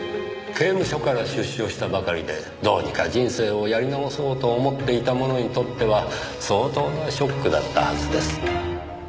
刑務所から出所したばかりでどうにか人生をやり直そうと思っていた者にとっては相当なショックだったはずです。